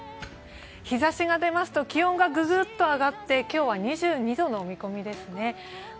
日ざしが出ますと気温がググッと上がって今日は２２度の見込みですね。